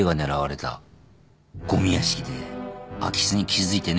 ごみ屋敷で空き巣に気付いてね